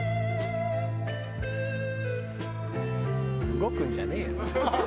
「動くんじゃねえよ」